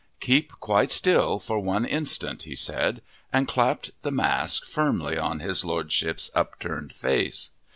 "Keep quite still, for one instant," he said, and clapped the mask firmly on his Lordship's upturned face.